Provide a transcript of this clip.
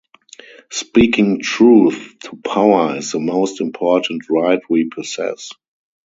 Speaking truth to power is the most important right we possess.